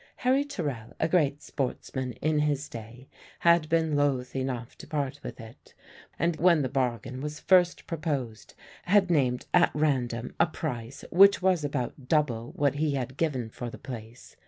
Harry Terrell a great sportsman in his day had been loth enough to part with it, and when the bargain was first proposed, had named at random a price which was about double what he had given for the place.